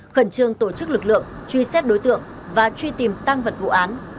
khẩn trương tổ chức lực lượng truy xét đối tượng và truy tìm tăng vật vụ án